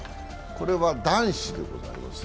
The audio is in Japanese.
これは男子でございます。